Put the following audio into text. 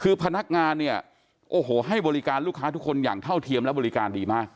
คือพนักงานเนี่ยโอ้โหให้บริการลูกค้าทุกคนอย่างเท่าเทียมและบริการดีมาก